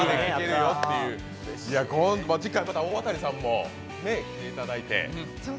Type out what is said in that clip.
次回、また大渡さんも来ていただいて。